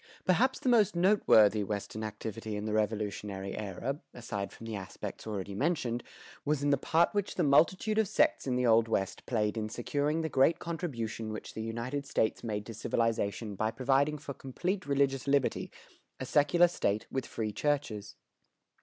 Perhaps the most noteworthy Western activity in the Revolutionary era, aside from the aspects already mentioned, was in the part which the multitude of sects in the Old West played in securing the great contribution which the United States made to civilization by providing for complete religious liberty, a secular state with free churches.